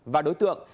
và đối tượng